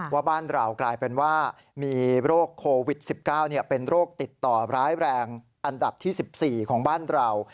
ว่าบ้านเรากลายเป็นว่ามีโรคโควิด๑๙เป็นโรคติดต่อร้ายแรงอันดับที่๑๔ของบ้านเรา